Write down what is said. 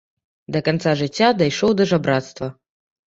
Да канца жыцця дайшоў да жабрацтва.